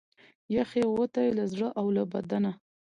یخ یې ووتی له زړه او له بدنه